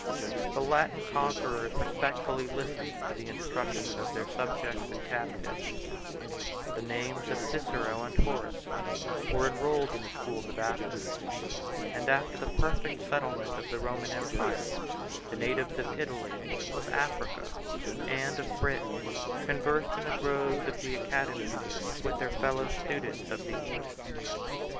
The Latin conquerors respectfully listened to the instructions of their subjects and captives; the names of Cicero and Horace were enrolled in the schools of Athens; and after the perfect settlement of the Roman empire, the natives of Italy, of Africa, and of Britain, conversed in the groves of the academy with their fellow students of the East.